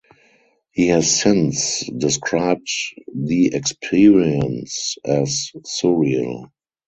He has since described the experience as "surreal".